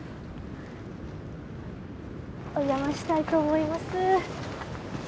お邪魔したいと思います。